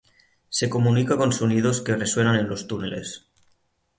Se comunica con sonidos que resuenan en los túneles.